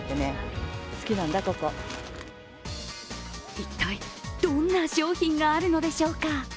一体、どんな商品があるのでしょうか。